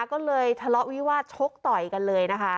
ก็เลยทะเลาะวิวาสชกต่อยกันเลยนะคะ